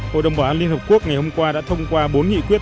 hội đồng bảo an liên hợp quốc ngày hôm qua đã thông qua bốn nghị quyết